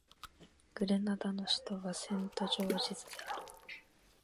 グレナダの首都はセントジョージズである